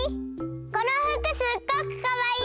このふくすっごくかわいい！